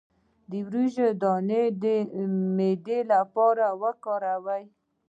د وریجو دانه د معدې لپاره وکاروئ